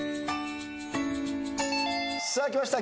さあきました。